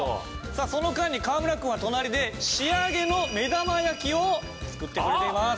さあその間に川村君は隣で仕上げの目玉焼きを作ってくれています。